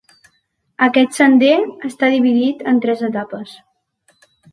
Aquest sender està dividit en tres etapes.